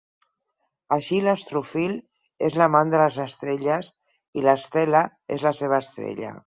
Així, l'Astrophil és l'amant de les estrelles i la Stella és la seva estrella.